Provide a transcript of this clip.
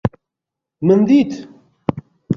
Min dît!